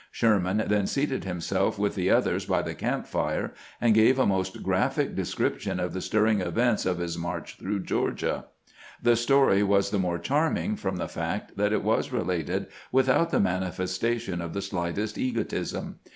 Sherman then seated himself with the others by the camp fire, and gave a most graphic description of the stirring events of his march through Georgia. The story was the more charming from the fact that it was related without the manifestation of the slightest egotism.